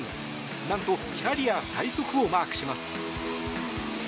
なんとキャリア最速をマークします。